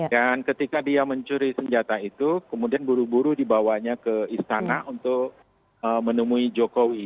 dan ketika dia mencuri senjata itu kemudian buru buru dibawanya ke istana untuk menemui jokowi